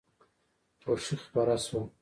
خوښي خپره شوه.